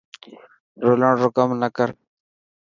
رولڻ رو ڪم نه ڪر.